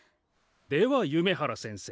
では夢原先生。